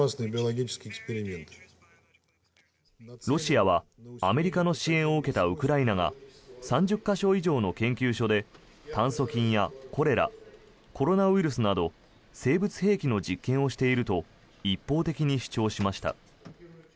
ロシアはアメリカの支援を受けたウクライナが３０か所以上の研究所で炭疽菌やコレラコロナウイルスなど生物兵器の実験をしていると一方的に主張しました。